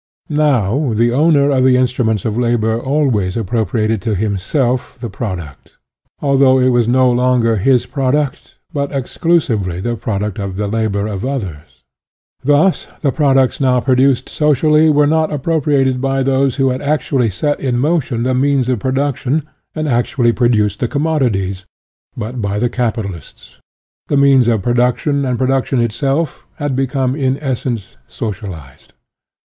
Now the owner of the instruments of labor always appropriated to himself the product, although it was no longer his product but exclusively the product of the labor of others. Thus, the products now produced socially were not appropriated by those who had actually set in motion the means of pro duction and actually produced the commodi ties, but by the capitalists. The means of production, and production itself, had be come in essence socialized.